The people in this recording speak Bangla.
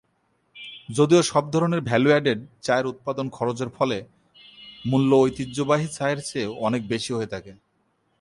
যদিও সব ধরণের ভ্যালু-অ্যাডেড চায়ের উৎপাদন খরচের ফলে মূল্য ঐতিহ্যবাহী চায়ের চেয়ে অনেক বেশি হয়ে থাকে।